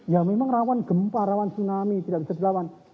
ya memang rawan gempa rawan tsunami tidak bisa dilawan